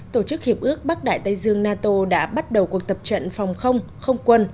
tổ chức hiệp ước bắc đại tây dương nato đã bắt đầu cuộc tập trận phòng không không quân